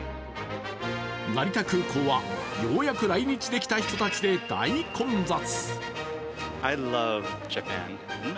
成田空港は、ようやく来日できた人たちで大混雑。